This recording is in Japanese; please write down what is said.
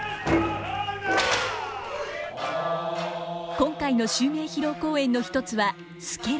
今回の襲名披露公演の一つは「助六」。